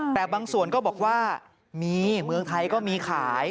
แต่บางส่วนก็บอกว่ามีเมืองไทยก็มีขาย